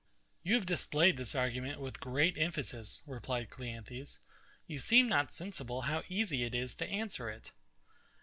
You have displayed this argument with great emphasis, replied CLEANTHES: You seem not sensible how easy it is to answer it.